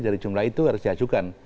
tidak harus dihajukan